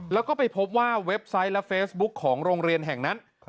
แล้วก็ไปพบว่าเว็บไซต์และเฟซบุ๊คของโรงเรียนแห่งนั้น